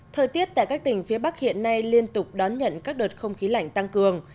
thời tiết tại các tỉnh phía bắc hiện nay liên tục đón nhận các đợt không khí lạnh tăng cường